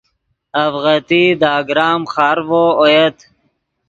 اڤغتئی دے اگرام خارڤو اویت